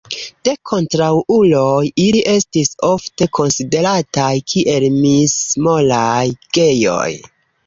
De kontraŭuloj ili estis ofte konsiderataj kiel mis-moraj gejoj.